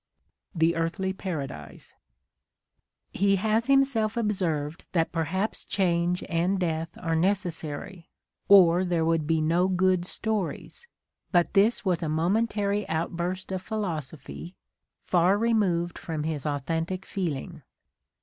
(The Earthly Paradise,) He has himself observed that perhaps change and death are necessary, or there would be no good stories, — but this was a momen tary outburst of philosophy far removed from his authentic feeling.